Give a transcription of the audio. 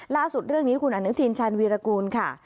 ล่าสุดเรื่องนี้คุณอนุทินชาญวีรกูลค่ะ